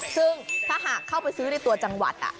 ซึ่งถ้าหากเข้าไปซื้อในตัวจังหวัด